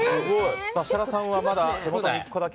設楽さんはまだ１個だけ。